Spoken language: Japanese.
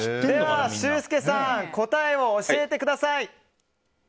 ではシュウスケさん答えを教えてください。